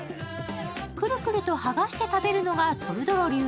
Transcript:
くるくると剥がして食べるのがトルドロ流。